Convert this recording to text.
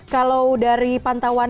kalau dari pantauan